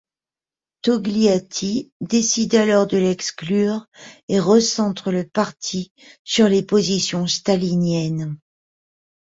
Togliatti décide alors de l'exclure et recentre le parti sur les positions staliniennes.